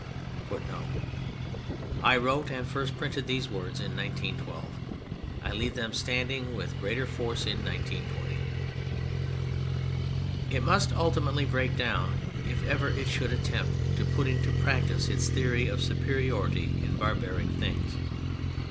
[Footnote: I wrote and first printed these words in 1912. I leave them standing with greater force in 1920.] It must ultimately break down if ever it should attempt to put into practice its theory of superiority in barbaric things.